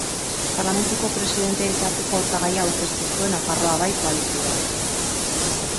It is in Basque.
Parlamentuko presidentea izateko hautagaia aurkeztu zuen Nafarroa Bai koalizioak.